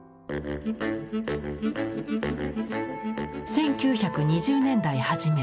１９２０年代初め。